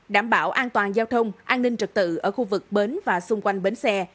đảm bảo an toàn giao thông an ninh trật tự ở khu vực bến và xung quanh bến xe